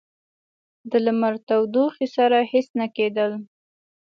د لمر تودوخې سره هیڅ نه کېدل.